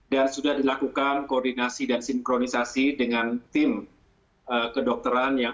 dan sudah dilakukan koordinasi dan sinkronisasi dengan tim kedokteran